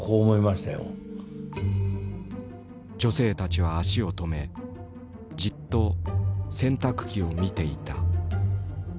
女性たちは足を止めじっと洗濯機を見ていた。